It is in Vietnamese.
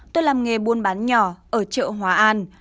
tôi làm nghề buôn bán nhỏ ở chợ hóa an